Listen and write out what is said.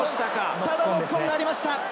ただノックオンがありました。